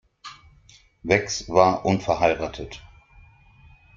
Wex war unverheiratet.